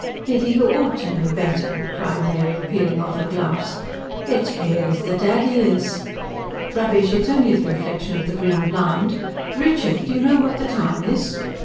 "Biddy, you ought to know better!" cried Mary peeling off her gloves. "It's pale as the dead he is." "Rubbish. It's only the reflection of the green blind. RICHARD! Do you know what the time is?"